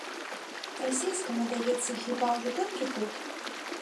Расейская надаецца хіба ўжо толькі тут.